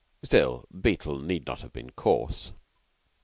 Still, Beetle need not have been coarse.